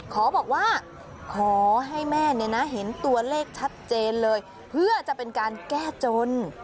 ขอบอกว่าขอให้แม่เนี่ยนะเห็นตัวเลขชัดเจนเลยเพื่อจะเป็นการแก้จน